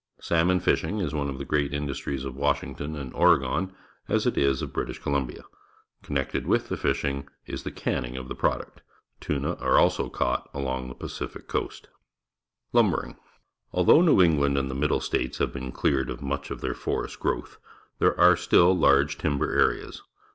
Salmorijfishing is one of the great indus tries of Washiiigton and Oregon, as it is of British Columbia. Comiected with the fish ing is the canning of the product. Ijina are also caught along the Pacific coast. Lumbering. — Although New England and the Middle States have been cleared of much of their forest growth, there are still large timber areas.